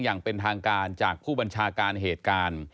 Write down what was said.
อย่างเป็นทางการจากผู้บัญชาการเหตุการณ์